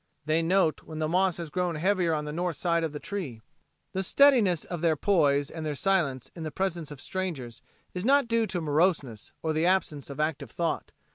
They note when the moss has grown heavier on the north side of the tree. The steadiness of their poise and their silence in the presence of strangers is not due to moroseness or the absence of active thought.